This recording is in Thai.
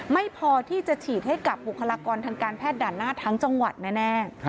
ไม่พอที่จะฉีดให้กับบุคลากรทางการแพทย์ด่านหน้าทั้งจังหวัดแน่